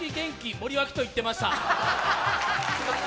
森脇！と言ってました。